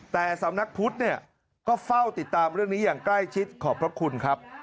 แต่สำนักพุทธเนี่ยก็เฝ้าติดตามเรื่องนี้อย่างใกล้ชิดขอบพระคุณครับ